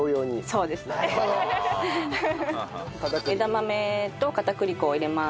枝豆と片栗粉を入れます。